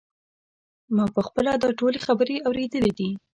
ما په خپله دا ټولې خبرې اورېدلې دي.